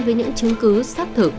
với những chứng cứ xác thực